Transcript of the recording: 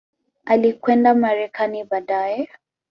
Alikwenda Marekani baadaye.